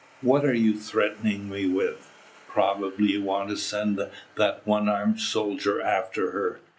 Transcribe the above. "What are you threatening me with? Probably you want to send that one armed soldier after her.